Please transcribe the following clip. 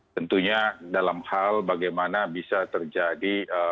tentunya dalam hal bagaimana bisa terjadi